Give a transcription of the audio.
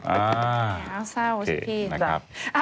โอเคนะครับ